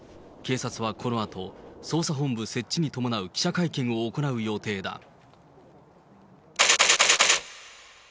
警察はこのあと、捜査本部設置に伴う記者会見を行う予定だ。